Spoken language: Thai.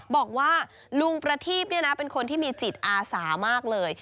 บอกว่าลุงประทีพเป็นคนที่มีจิตอาสามากเลย